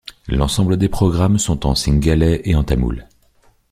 L'ensemble des programmes sont en singhalais et en tamoul.